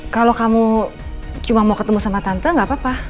kalau kamu cuma mau ketemu sama tante gak apa apa